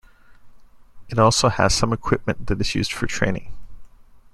It also has some equipment that is used for training.